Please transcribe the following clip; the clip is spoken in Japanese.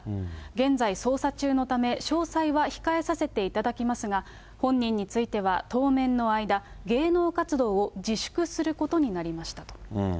現在、捜査中のため、詳細は控えさせていただきますが、本人については当面の間、芸能活動を自粛することになりましたと。